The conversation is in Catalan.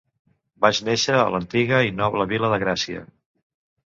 Vaig neixer a l'antiga i noble Vila de Gracia.